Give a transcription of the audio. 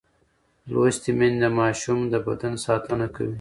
لوستې میندې د ماشوم د بدن ساتنه کوي.